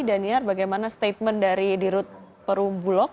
daniar bagaimana statement dari dirut perumbulog